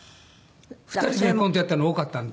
２人でコントやったの多かったんで。